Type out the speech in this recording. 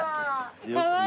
かわいい！